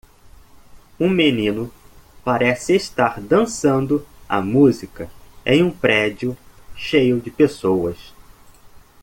Um menino parece estar dançando a música em um prédio cheio de pessoas.